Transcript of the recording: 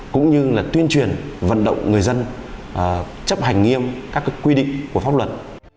cũng như là tuyên truyền vận động người dân chấp hành nghiêm các quy định của pháp luật